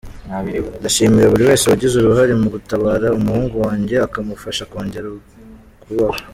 Ndashimira buri wese wagize uruhare mu gutabara umuhungu wanjye, akamufasha kongera kubaho.